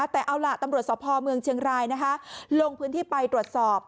แต่เอาล่ะตำรวจสพเมืองเชียงรายลงพื้นที่ไปตรวจสอบ